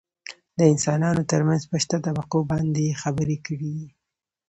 دانسانانو ترمنځ په شته طبقو باندې يې خبرې کړي دي .